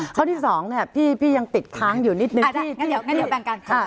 ข้อที่๒เนี่ยพี่ยังติดค้างอยู่นิดนึง